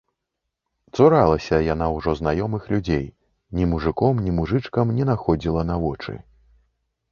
Цуралася яна ўжо знаёмых людзей, ні мужыком, ні мужычкам не находзіла на вочы.